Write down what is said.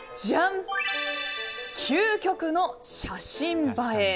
究極の写真映え。